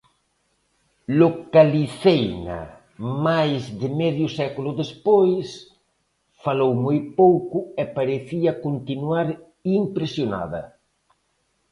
Localiceina, máis de medio século despois, falou moi pouco e parecía continuar impresionada.